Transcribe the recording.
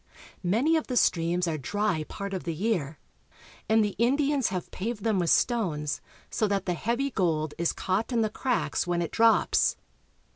Many of the streams are dry part of the year, and the Indi ans have paved them with stones, so that the heavy gold is caught in the cracks when it drops.